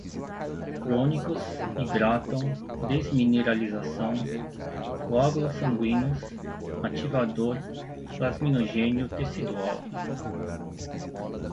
crônicos, hidratam, desmineralização, coágulos sanguíneos, ativador, plasminogênio tecidual